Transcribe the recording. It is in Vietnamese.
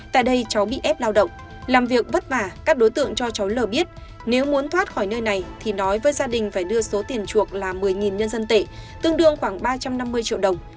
tại đây cháu bị ép lao động làm việc vất vả các đối tượng cho cháu l biết nếu muốn thoát khỏi nơi này thì nói với gia đình phải đưa số tiền chuộc là một mươi nhân dân tệ tương đương khoảng ba trăm năm mươi triệu đồng